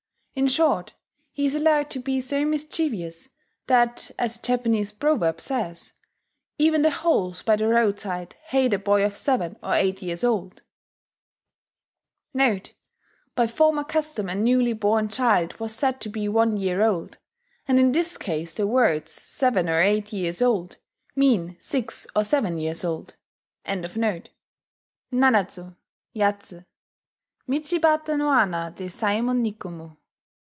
In short, he is allowed to be so mischievous that, as a Japanese proverb says, "even the holes by the roadside hate a boy of seven or eight years old"* [*By former custom a newly born child was said to be one year old; and in this case the words "seven or eight years old" mean "six or seven years old."] (Nanatsu, yatsu michibata no ana desaimon nikumu).